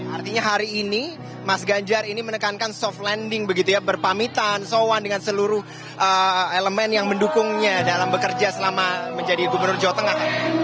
artinya hari ini mas ganjar ini menekankan soft landing begitu ya berpamitan sowan dengan seluruh elemen yang mendukungnya dalam bekerja selama menjadi gubernur jawa tengah